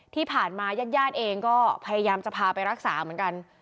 ที่ผ่านมาญาติเองก็พยายามจะพาไปรักษาเหมือนกัน